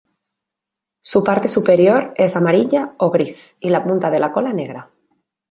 Su parte superior es amarilla o gris y la punta de la cola negra.